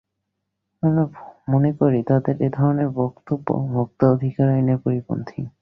আমরা মনে করি, তাদের এ ধরনের বক্তব্য ভোক্তা অধিকার আইনের পরিপন্থী।